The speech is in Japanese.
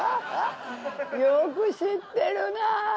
よく知ってるなあ。